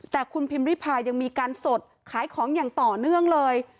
แต่คุณพิมริพายังมีการสดขายของอย่างต่อเนื่องเลย